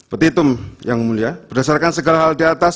petitum yang mulia berdasarkan segala hal diatas